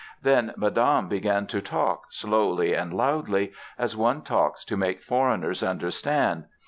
Then Madame began to talk, slowly and loudly, as one talks to make foreigners understand.